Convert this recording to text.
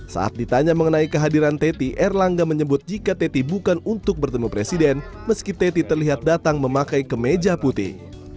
saat ditanya mengenai kehadiran teti erlangga menyebut jika teti bukan untuk bertemu presiden meski teti terlihat datang memakai kemeja putih